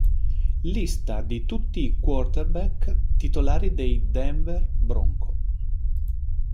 Lista di tutti i quarterback titolari dei Denver Broncos.